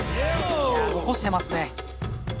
残してますね。